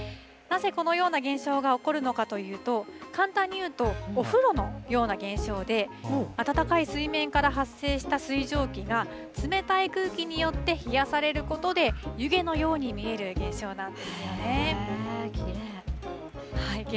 なぜこのような現象が起こるのかというと、簡単に言うと、お風呂のような現象で、温かい水面から発生した水蒸気が、冷たい空気によって冷やされることで、湯気のきれい。